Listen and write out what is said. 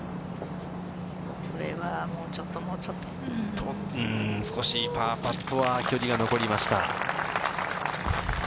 これはもうちょっともうちょうーん、少しパーパットは距離が残りました。